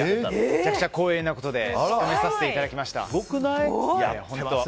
めちゃくちゃ光栄なことで司会させていただきました。